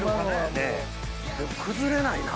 でも崩れないな。